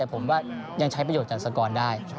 แต่ผมว่ายังใช้ประโยชน์จากสกรได้